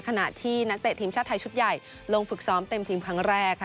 ขณะที่นักเตะทีมชาติไทยชุดใหญ่ลงฝึกซ้อมเต็มทีมครั้งแรกค่ะ